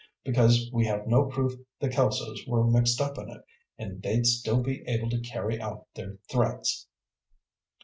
Because we have no proof the Kelsos were mixed up in it, and they'd still be able to carry out their threats."